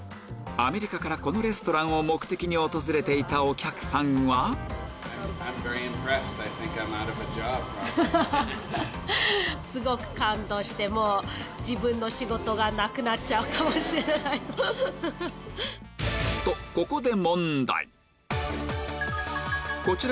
アメリカからこのレストランを目的に訪れていたお客さんはとここで